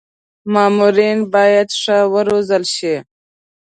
مامورین باید ښه و روزل شي.